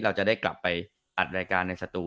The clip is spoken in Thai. เราจะได้กลับไปอัดรายการในสตู